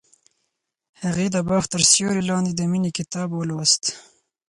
هغې د باغ تر سیوري لاندې د مینې کتاب ولوست.